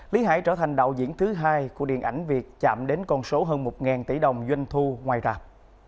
lý hải trở thành đạo diễn thứ hai của điện ảnh việt chạm đến con số hơn một tỷ đồng doanh thu ngoài rạp